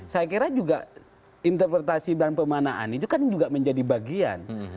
saya kira juga interpretasi dan pemanaan itu kan juga menjadi bagian